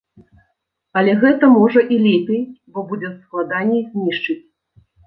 Але гэта, можа, і лепей, бо будзе складаней знішчыць.